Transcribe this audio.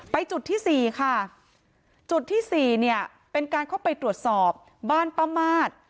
จุดที่สี่ค่ะจุดที่สี่เนี่ยเป็นการเข้าไปตรวจสอบบ้านป้ามาส